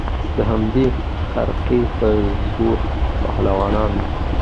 د همدې خرقې په زور پهلوانان وه